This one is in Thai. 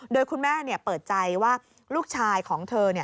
โดยคุณแม่เปิดใจว่าลูกชายของเธอ